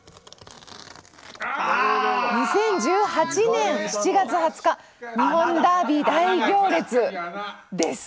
２０１８年７月２０日「日本ダービー大行列」です。